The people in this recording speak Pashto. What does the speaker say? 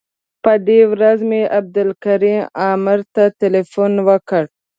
په دې ورځ مې عبدالکریم عامر ته تیلفون وکړ.